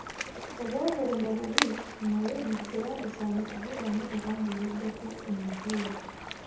Obwavu buno bubi naye omuntu teyandisaanye kuvuga mmotoka ng'eweddeko emipiira.